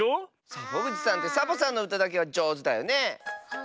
サボぐちさんってサボさんのうただけはじょうずだよね。